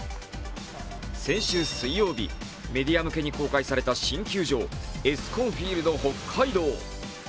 先週水曜日、メディア向けに公開された新球場、エスコンフィールド北海道。